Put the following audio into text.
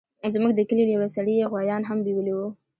زموږ د کلي له يوه سړي يې غويان هم بيولي وو.